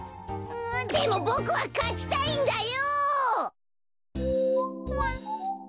でもボクはかちたいんだよ！